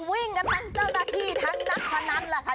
วิ่งกันทั้งเจ้าหน้าที่ทั้งนักพนันแหละค่ะ